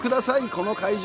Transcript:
この会場！